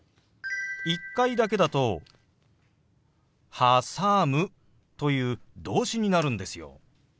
１回だけだと「はさむ」という動詞になるんですよ。